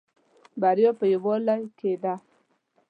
بریا په یوالی کې ده